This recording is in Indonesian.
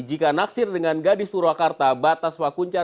jika naksir dengan gadis purwakarta batas wakuncar